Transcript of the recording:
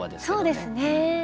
そうですね。